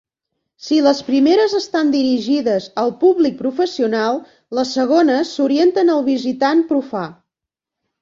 Si les primeres estan dirigides al públic professional, les segones s'orienten al visitant profà.